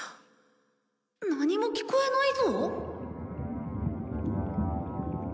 何も聞こえないぞ